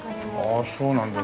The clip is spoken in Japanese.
ああそうなんだ。